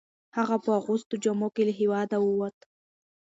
هغه په اغوستو جامو کې له هیواده وووت.